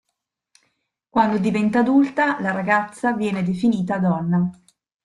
Quando diventa adulta, la ragazza viene definita donna.